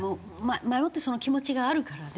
前もってその気持ちがあるからね。